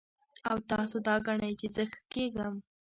او تاسو دا ګڼئ چې زۀ ښۀ کېږم